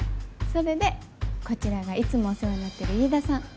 それでこちらがいつもお世話になってる飯田さん。